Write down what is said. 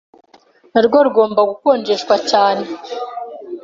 narwo rugomba gukonjeshwa cyane,